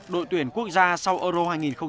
đội tuyển quốc gia sau euro hai nghìn một mươi sáu